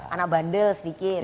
anak bandel sedikit